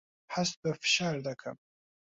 هەست بە فشار دەکەم.